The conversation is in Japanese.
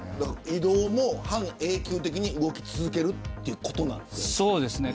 移動も半永久的に動き続けるということですか。